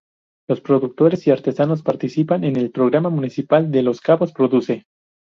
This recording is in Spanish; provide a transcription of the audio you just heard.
Los productores y artesanos participan en el programa municipal Los Cabos Produce.